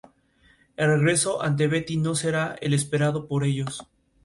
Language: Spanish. Su distribución geográfica abarca toda Europa, Siberia y Cáucaso.